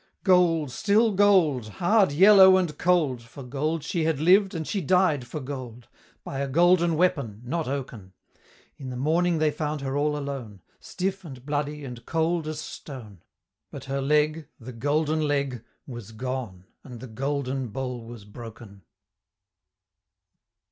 Gold, still gold! hard, yellow, and cold, For gold she had lived, and she died for gold By a golden weapon not oaken; In the morning they found her all alone Stiff, and bloody, and cold as stone But her Leg, the Golden Leg, was gone, And the "Golden Bowl was broken!"